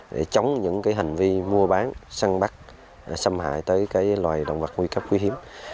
để chống những hành vi mua bán săn bắt xâm hại tới loài động vật nguy cấp quý hiếm